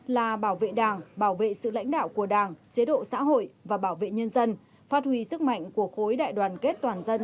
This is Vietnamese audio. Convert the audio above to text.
là bảo vệ đảng bảo vệ sự lãnh đạo của đảng chế độ xã hội và bảo vệ nhân dân phát huy sức mạnh của khối đại đoàn kết toàn dân